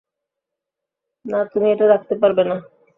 না, তুমি এটা রাখতে পারবে না।